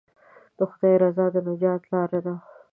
د خدای رضا د نجات لاره ده.